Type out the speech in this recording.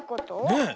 ねえ。